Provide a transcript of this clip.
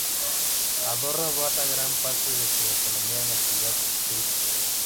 Andorra basa gran parte de su economía en la actividad turística.